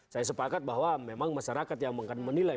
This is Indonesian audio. saya sepakat bahwa memang masyarakat yang akan menilai